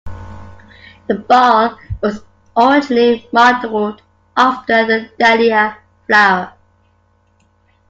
The ball was originally modelled after the dahlia flower.